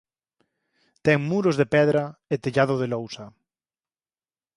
Ten muros de pedra e tellado de lousa.